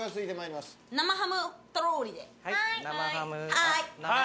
はい。